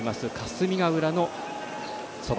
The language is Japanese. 霞ヶ浦のそば